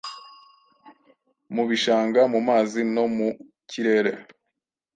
mu bishanga mu mazi no mu kirere